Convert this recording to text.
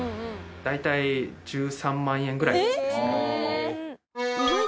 大体１３万円ぐらいですかね。